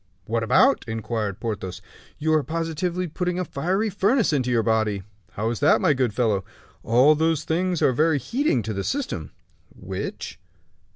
"What about?" inquired Porthos. "You are positively putting a fiery furnace into your body." "How is that, my good fellow?" "All those things are very heating to the system!" "Which?"